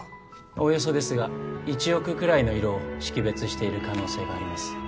おおよそですが１億くらいの色を識別している可能性があります